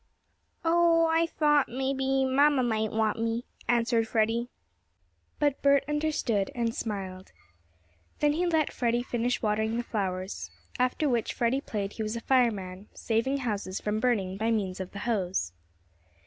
"Oh, I I thought maybe mamma might want me," answered Freddie, but Bert understood, and smiled. Then he let Freddie finish watering the flowers, after which Freddie played he was a fireman, saving houses from burning by means of the hose.